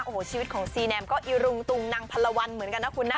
โอ้โหชีวิตของซีแนมก็อีรุงตุงนังพันละวันเหมือนกันนะคุณนะ